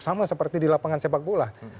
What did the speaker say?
sama seperti di lapangan sepak bola